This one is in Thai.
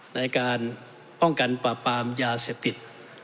ในการป้องกันปราบปรามยาเสพติด